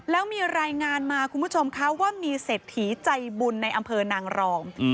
แล้วมีรายงานมาคุณผู้ชมคะว่ามีเศรษฐีใจบุญในอำเภอนางรอง